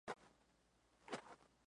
Pepita y Godoy lo harán más tarde.